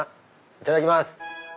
いただきます。